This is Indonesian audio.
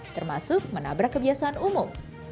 termasuk menabrak kebiasaan umum